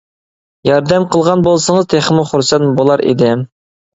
ياردەم قىلغان بولسىڭىز تېخىمۇ خۇرسەن بولار ئىدىم.